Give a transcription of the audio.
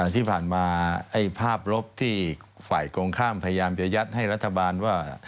ที่ผ่านมาภาพลบที่ฝ่ายตรงข้ามพยายามจะยัดให้รัฐบาลว่า